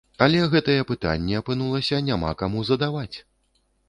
Але гэтыя пытанні, апынулася, няма каму задаваць!